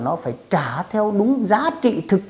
nó phải trả theo đúng giá trị thực